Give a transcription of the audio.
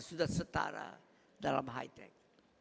sudah setara dalam high tech